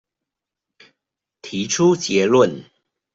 提出結論